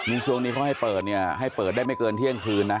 คุณสิวงนี้เพราะให้เปิดนี่ให้เปิดได้ไม่เกินเทียงคืนนะ